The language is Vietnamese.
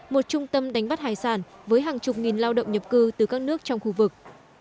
một trung tâm đánh bắt hải sản với hàng chục nghìn lao động nhập cư từ các nước trong khu vực